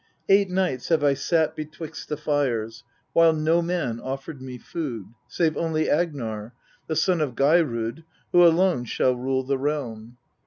2. Eight nights have I sat betwixt the fires, while no man offered me food, save only Agnar, the son of Geirrod, who alone shall rule the realm.